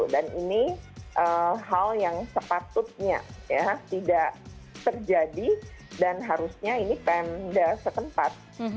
dan ini hal yang sepatutnya ya tidak terjadi dan harusnya ini pendah